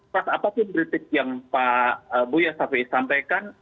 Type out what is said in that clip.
pas apapun kritik yang pak buya syafiee sampaikan